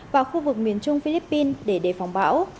và khu vực miền trung philippines để đề phòng bão